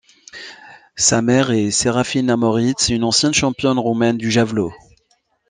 Sa mère est Serafina Moritz, une ancienne championne roumaine du javelot.